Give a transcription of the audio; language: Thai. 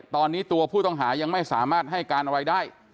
ตอนนี้ตัวผู้ต้องหายังไม่สามารถให้การอะไรได้